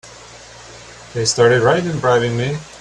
They started right in bribing me!